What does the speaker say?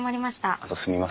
あとすみません